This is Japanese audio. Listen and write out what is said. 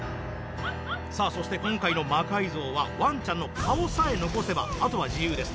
さあそして今回の魔改造はワンちゃんの顔さえ残せばあとは自由です。